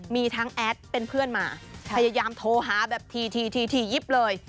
มีทั้งแอดเป็นเพื่อนมาพยายามโทรหาแบบทียิบเลย